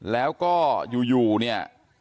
แล้วก็อยู่เนี่ย